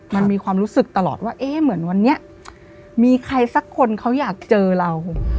มันมีความรู้สึกตลอดว่าเอ๊ะเหมือนวันนี้มีใครสักคนเขาอยากเจอเรา